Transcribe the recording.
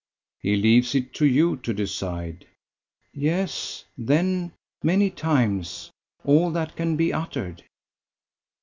"He leaves it to you to decide." "Yes, then: many times: all that can be uttered."